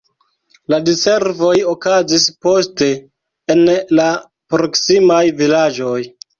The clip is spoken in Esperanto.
La diservoj okazis poste en la proksimaj vilaĝoj.